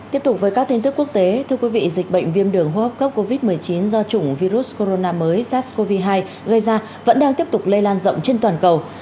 tiếp tục với các tin tức quốc tế thưa quý vị dịch bệnh viêm đường hô hấp cấp covid một mươi chín do chủng virus corona mới sars cov hai gây ra vẫn đang tiếp tục lây lan rộng trên toàn cầu